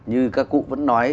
như các cụ vẫn nói